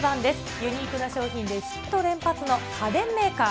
ユニークな商品でヒット連発の家電メーカー。